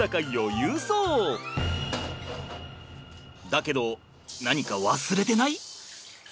だけど何か忘れてない？